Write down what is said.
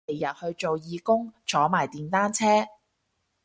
星期日去做義工坐埋電單車